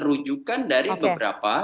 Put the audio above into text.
rujukan dari beberapa